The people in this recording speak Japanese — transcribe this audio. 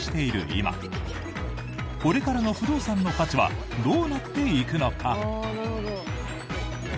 今これからの不動産の価値はどうなっていくのか。